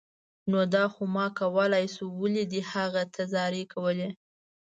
نو دا خو ما کولای شو، ولې دې هغه ته زارۍ کولې